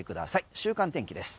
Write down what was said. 週間天気です。